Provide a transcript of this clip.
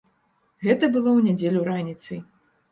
Гэта было ў нядзелю раніцай.